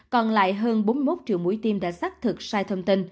còn lại hơn bốn mươi một triệu mũi tiêm